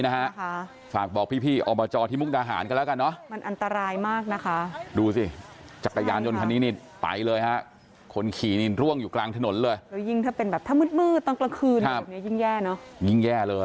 เอาบาจอแต่ไม่ใช่ลูกเด่น